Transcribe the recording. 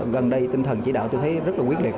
gần đây tinh thần chỉ đạo tôi thấy rất là quyết liệt